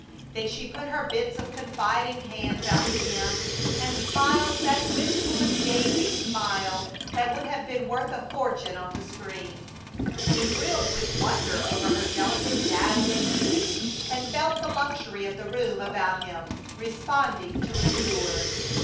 Then she put her bits of confiding hands out to him and smiled that wistful, engaging smile that would have been worth a fortune on the screen. He thrilled with wonder over her delicate, dazzling beauty; and felt the luxury of the room about him, responding to its lure.